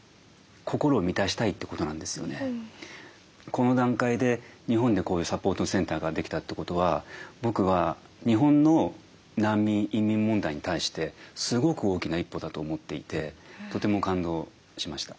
この段階で日本でこういうサポートセンターができたってことは僕は日本の難民・移民問題に対してすごく大きな一歩だと思っていてとても感動しました。